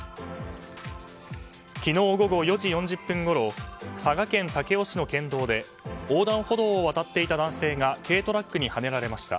昨日午後４時４０分ごろ佐賀県武雄市の県道で横断歩道を渡っていた男性が軽トラックにはねられました。